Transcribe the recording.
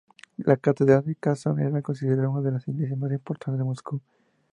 La Catedral de Kazán era considerada una de las iglesias más importantes de Moscú.